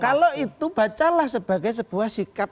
kalau itu bacalah sebagai sebuah sikap